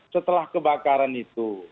setelah kebakaran itu